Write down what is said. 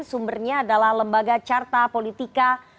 sumbernya adalah lembaga carta politika